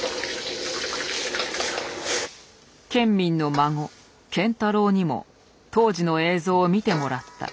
建民の孫建太郎にも当時の映像を見てもらった。